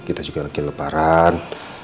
kita juga lagi lebaran